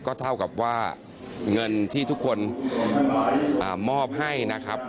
ก็เท่ากับว่าเงินที่ทุกคนมอบให้นะครับ